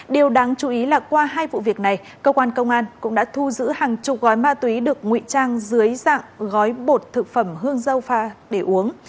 điều đáng chú ý là qua hai vụ việc này cơ quan công an cũng đã thu giữ hàng chục gói ma túy được ngụy trang dưới dạng gói bột thực phẩm hương dâu pha để uống